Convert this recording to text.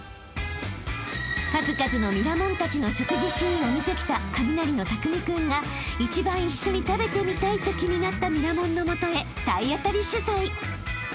［数々のミラモンたちの食事シーンを見てきたカミナリのたくみ君が一番一緒に食べてみたいと気になったミラモンの元へ体当たり取材］